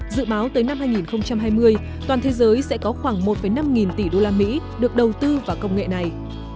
dự báo tới năm hai nghìn hai mươi toàn thế giới sẽ có khoảng một năm nghìn tỷ usd được đầu tư vào công nghệ này